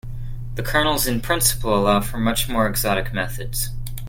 The kernels in principle allow for much more exotic methods.